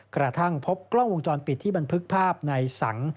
กระทั่งพบกล้องวงจรปิดที่บันทึกภาพในสัง